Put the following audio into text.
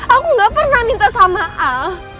aku gak pernah minta sama a